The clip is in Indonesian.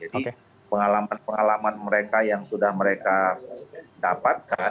jadi pengalaman pengalaman mereka yang sudah mereka dapatkan